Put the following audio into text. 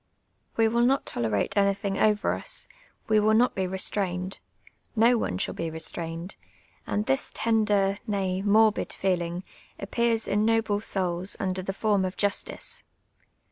We will not tolerate anvthinir over us ; we will not be restrained, no one shall be restrained ; and this tender, nav, morbid feeling, ap})ears in noble souls uniler tlie form of justice.